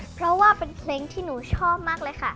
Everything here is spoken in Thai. เพราะว่าเป็นเพลงที่หนูชอบมากเลยค่ะ